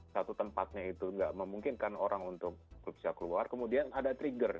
satu tempatnya itu nggak memungkinkan orang untuk bisa keluar kemudian ada trigger